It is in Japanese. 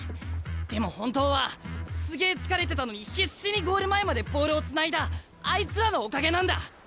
でも本当はすげえ疲れてたのに必死にゴール前までボールをつないだあいつらのおかげなんだ。